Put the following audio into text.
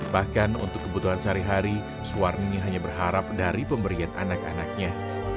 bahkan untuk kebutuhan sehari hari suwarni hanya berharap dari pemberian anak anaknya